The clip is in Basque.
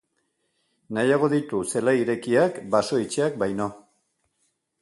Nahiago ditu zelai irekiak baso itxiak baino.